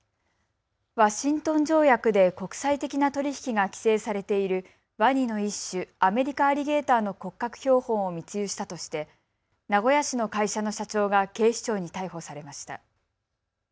ワシントン条約で国際的な取り引きが規制されているワニの一種、アメリカアリゲーターの骨格標本を密輸したとして名古屋市の会社の社長が警視庁に逮捕されました。